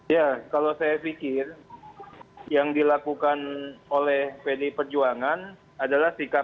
ya kalau saya pikir yang dilakukan oleh pdi perjuangan adalah sikap